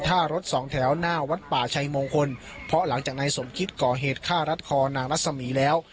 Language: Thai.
ท่ารถสองแถวหน้าวัดป่าชัยมงคลเพราะหลังจากนายสมคิดก่อเหตุฆ่ารัดคอนางรัศมีแล้ว